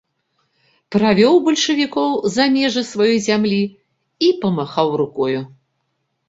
Правёў бальшавікоў за межы сваёй зямлі і памахаў рукою.